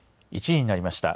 １時になりました。